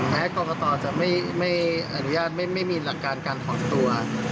แม้กรณ์ประตอบัตรจะไม่อนุญาตไม่มีหลักการการถอดตัว